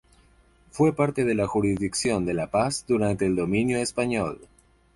Fue parte de la jurisdicción de la Paz durante el dominio español.